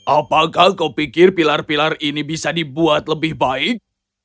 apakah kau pikir pilar pilar ini bisa dibuat lebih baik